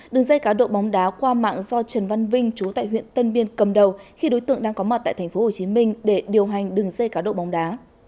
đường dây cá độ bóng đá qua mạng do trần văn vinh chú tại huyện tân biên cầm đầu khi đối tượng đang có mặt tại tp hcm để điều hành đường dây cá độ bóng đá